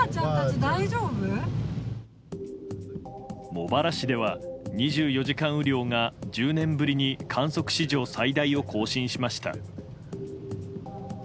茂原市では、２４時間雨量が１０年ぶりに観測史上最大を更新しました。